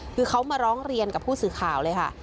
คือเขามาร้องเรียนกับผู้สื่อข่าวเลยค่ะ